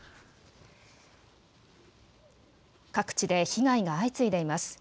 各地で被害が相次いでいます。